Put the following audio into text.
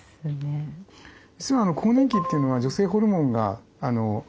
実は更年期というのは女性ホルモンが下がりますよね。